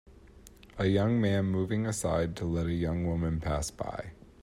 A young man moving aside to let a young woman pass by.